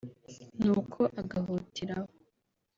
“Nuko agahutiraho